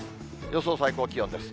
予想最高気温です。